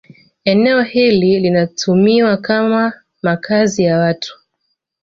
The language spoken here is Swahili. Eneo hili linatumiwa kama makazi ya watu